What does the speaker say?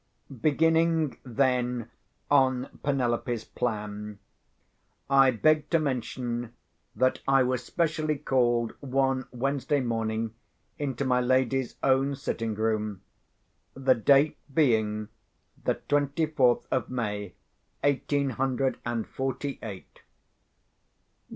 Beginning, then, on Penelope's plan, I beg to mention that I was specially called one Wednesday morning into my lady's own sitting room, the date being the twenty fourth of May, eighteen hundred and forty eight.